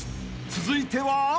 続いては？］